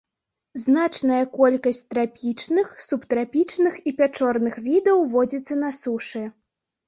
Значная колькасць трапічных, субтрапічных і пячорных відаў водзіцца на сушы.